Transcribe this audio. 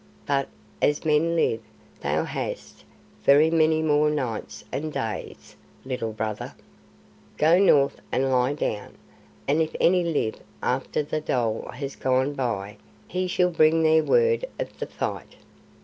But, as men live, thou hast very many more nights and days, Little Brother. Go north and lie down, and if any live after the dhole has gone by he shall bring thee word of the fight."